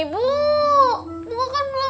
bu mau boleh ikutan les kak